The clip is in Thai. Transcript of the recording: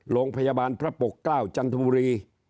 โรงพยาบาลพระปกเกล้าจันทบุรี